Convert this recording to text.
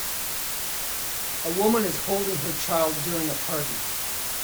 A woman is holding her child during a party